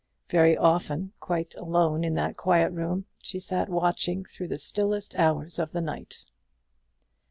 Very often, quite alone in that quiet room, she sat watching through the stillest hours of the night.